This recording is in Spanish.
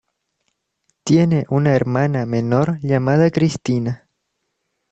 Tiene una hermana menor llamada Kristina.